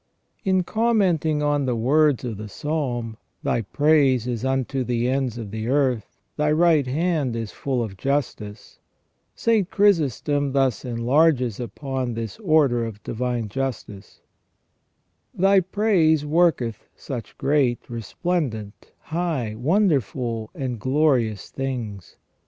In commenting on the words of the Psalm :" Thy praise is unto the ends of the earth, Thy right hand is full of justice," St. Chrysostom thus enlarges upon this order of divine justice :" Thy praise worketh such great, resplendent, high, wonderful, and glorious things.